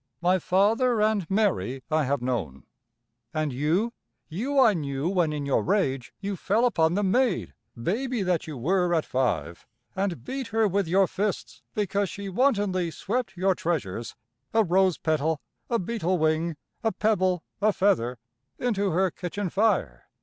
My father and Mary I have known. And you, you I knew when in your rage you fell upon the maid, baby that you were at five, and beat her with your fists because she wantonly swept your treasures a rose petal, a beetle wing, a pebble, a feather into her kitchen fire.